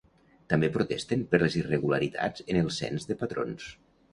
També protesten per les irregularitats en el Cens de Patrons.